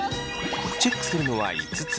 チェックするのは５つ。